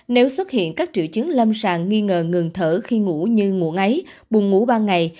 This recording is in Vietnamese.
nếu xuất hiện các triệu chứng lâm sàng nghi ngờ ngừng thở khi ngủ như ngủ ngáy buồn ngủ ba ngày